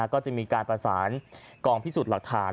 ก็จะมีการประสานกองพิสูจน์หลักฐาน